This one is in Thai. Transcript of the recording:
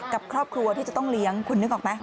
กับครอบครัวที่จะต้องเลี้ยงคุณนึกออกไหม